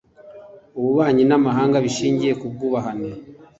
ububanyi n'ahamanga bishingiye ku bwubahane